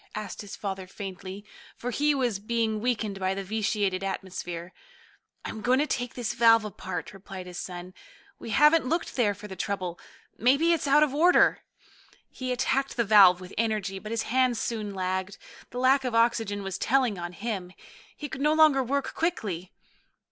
asked his father faintly, for he was being weakened by the vitiated atmosphere. "I'm going to take this valve apart," replied his son. "We haven't looked there for the trouble. Maybe it's out of order." He attacked the valve with energy, but his hands soon lagged. The lack of oxygen was telling on him. He could no longer work quickly.